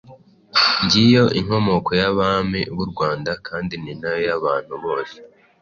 Ng'iyo inkomoko y'Abami b'Urwanda, kandi ni nayo y'Abantu bose.